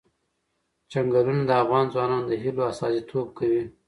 چنګلونه د افغان ځوانانو د هیلو استازیتوب کوي.